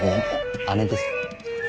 姉です。